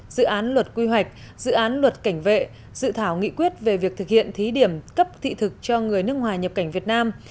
dự án luật quy hoạch dự án luật cảnh vệ dự thảo nghị quyết về việc thực hiện thí điểm cấp thị thực cho người nước ngoài nhập cảnh việt nam